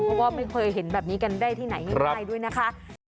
เพราะว่าไม่เคยเห็นแบบนี้กันได้ที่ไหนง่ายด้วยนะคะ